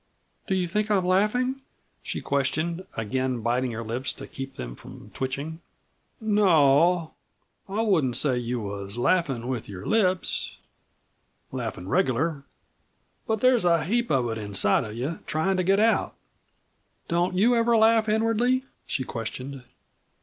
"Do you think I am laughing?" she questioned, again biting her lips to keep them from twitching. "No o. I wouldn't say that you was laughin' with your lips laughin' regular. But there's a heap of it inside of you tryin' to get out." "Don't you ever laugh inwardly?" she questioned.